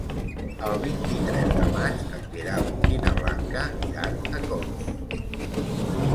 El vint-i-tres de maig en Guerau i na Blanca iran a Coix.